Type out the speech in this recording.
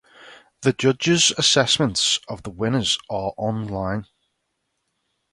The judges' assessments of the winners are online.